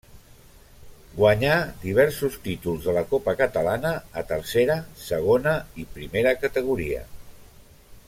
Guanyà diversos títols de la Copa Catalana a tercera, segona i primera categoria.